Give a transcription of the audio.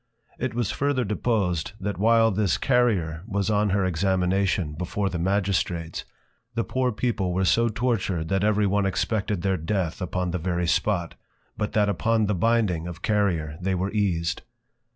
It was further deposed, That while this Carrier was on her Examination, before the Magistrates, the Poor People were so tortured that every one expected their Death upon the very spot, but that upon the binding of Carrier they were eased.